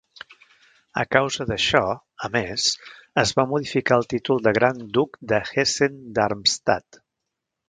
A causa d'això, a més, es va modificar el títol de Gran Duc de Hessen-Darmstadt.